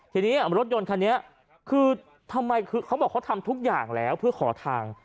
ทีนี้รถยนต์คันนี้คือทำไมคือเขาบอกเขาทำทุกอย่างแล้วเพื่อขอทาง